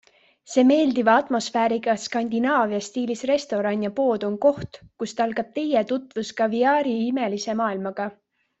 See meeldiva atmosfääriga skandinaavia stiilis restoran ja pood on koht, kust algab teie tutvus kaviaari imelise maailmaga.